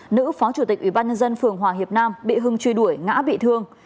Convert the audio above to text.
nữ phó chủ tịch ủy ban nhân dân phường hòa hiệp nam bị hưng truy đuổi ngã bị thương